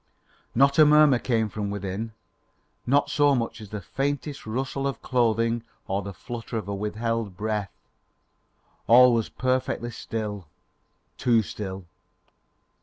Not a murmur came from within, not so much as the faintest rustle of clothing or the flutter of a withheld breath. All was perfectly still too still.